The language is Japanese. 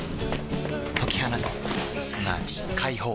解き放つすなわち解放